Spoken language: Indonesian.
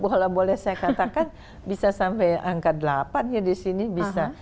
boleh boleh saya katakan bisa sampai angka delapan ya di sini bisa